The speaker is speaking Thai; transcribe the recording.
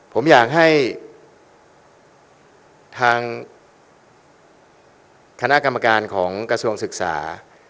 ผมอยากให้ทางคณะกรรมการของกระทรวงศึกษา